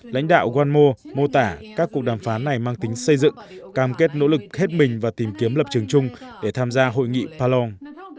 lãnh đạo walmo mô tả các cuộc đàm phán này mang tính xây dựng cam kết nỗ lực hết mình và tìm kiếm lập trường chung để tham gia hội nghị palong